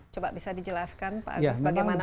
coba bisa dijelaskan pak agus bagaimana